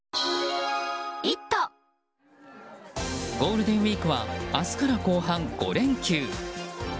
ゴールデンウィークは明日から後半、５連休。